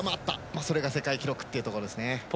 それが世界記録ってところです。